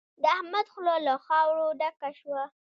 د احمد خوله له خاورو ډکه شوه.